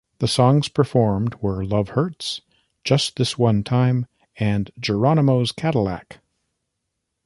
The songs performed were "Love Hurts", "Just This One Time" and "Geronimo's Cadillac".